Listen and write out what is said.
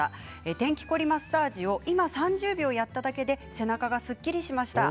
天気凝りマッサージを今３０秒やっただけで背中がすっきりしました。